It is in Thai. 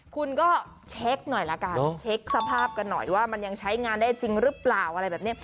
คือช่องว่างสวมป๊